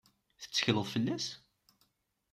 Tettekleḍ fell-as?